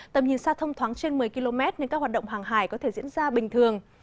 tầm nhìn xa thông thoáng trên một mươi km nên các hoạt động hàng hải có thể diễn ra bình thường